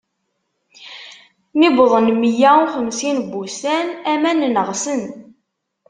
Mi wwḍen meyya uxemsin n wussan, aman neɣsen.